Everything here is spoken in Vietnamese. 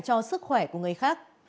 cho sức khỏe của người khác